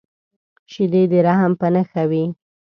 شیدې د رحم په نښه وي